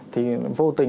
thì vô tình